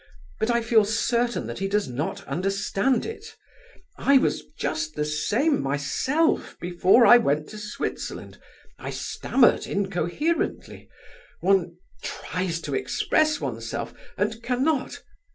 But I feel certain that he does not understand it! I was just the same myself before I went to Switzerland; I stammered incoherently; one tries to express oneself and cannot.